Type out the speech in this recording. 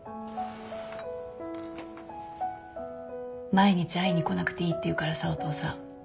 毎日会いに来なくていいって言うからさお父さん。